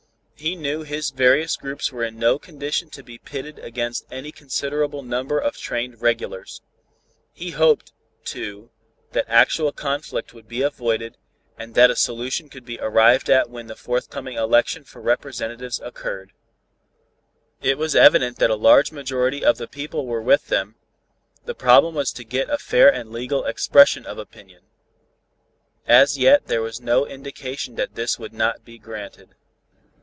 He knew his various groups were in no condition to be pitted against any considerable number of trained regulars. He hoped, too, that actual conflict would be avoided, and that a solution could be arrived at when the forthcoming election for representatives occurred. It was evident that a large majority of the people were with them: the problem was to get a fair and legal expression of opinion. As yet, there was no indication that this would not be granted.